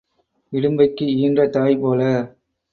இடும்பைக்கு ஈன்ற தாய் போல.